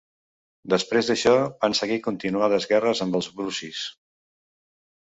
Després d'això, van seguir continuades guerres amb els brucis.